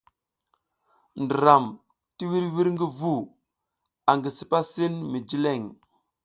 Ndram ti wirwir ngi vu angi sipa sin mi jileŋ.